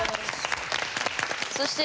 そして。